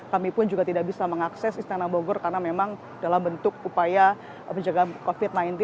kami pun juga tidak bisa mengakses istana bogor karena memang dalam bentuk upaya penjagaan covid sembilan belas